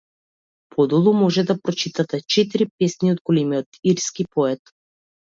Подолу може да прочитате четири песни од големиот ирски поет.